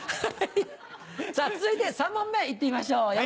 続いて３問目行ってみましょう。